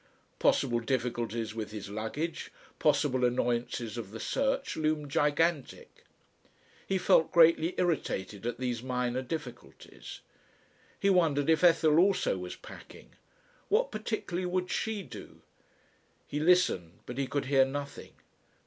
Possible difficulties with his luggage, possible annoyances of the search loomed gigantic. He felt greatly irritated at these minor difficulties. He wondered if Ethel also was packing. What particularly would she do? He listened, but he could hear nothing.